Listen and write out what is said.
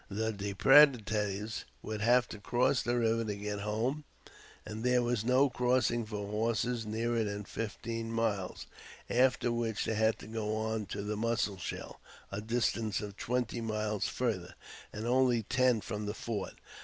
The depredators would have to cross the river to get home, and there was no crossing for horses nearer than fifteen miles, after which they had to go on to the Mussel Shell, a distance of twenty miles farther, and only ten from the fort.